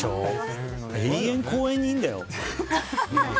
永遠、公園にいるんだよ。